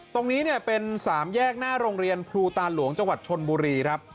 ตรงนี้เป็นสามแยกหน้าโรงเรียนพูตาหลวงจังหวัดชลบุรี